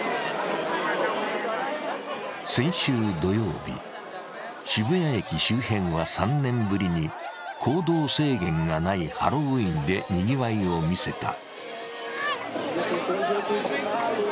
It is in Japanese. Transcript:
先週土曜日、渋谷駅周辺は３年ぶりに行動制限がないハロウィーンでにぎわいを見せた。